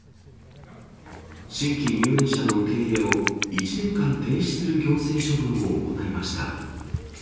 新規入園者の受け入れを、１年間停止する行政処分を行いました。